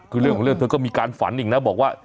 คือเรื่องของเรื่องเธอก็มีการฝันอีกนะบอกว่า